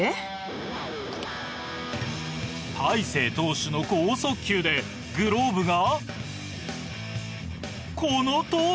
大勢投手の剛速球でグローブが。